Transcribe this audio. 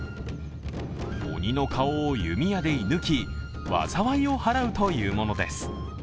鬼の顔を弓矢で射抜き、わざわいを払うというものです。